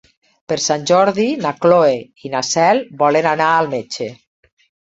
Per Sant Jordi na Cloè i na Cel volen anar al metge.